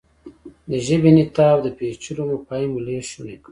د ژبې انعطاف د پېچلو مفاهیمو لېږد شونی کړ.